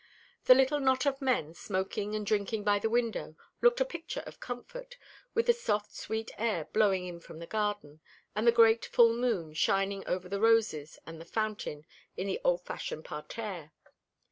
The little knot of men smoking and drinking by the window looked a picture of comfort, with the soft sweet air blowing in from the garden, and the great full moon shining over the roses and the fountain in the old fashioned parterre.